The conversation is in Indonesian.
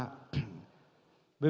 empat ya pak